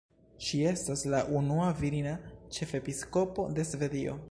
Ŝi estas la unua virina ĉefepiskopo de Svedio.